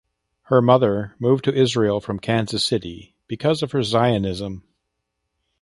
Her mother moved to Israel from Kansas City because of her Zionism.